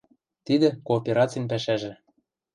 Тидӹ — кооперацин пӓшӓжӹ.